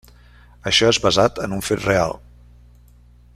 Això és basat en un fet real.